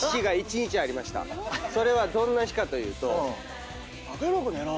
それはどんな日かというと「バカヤロー！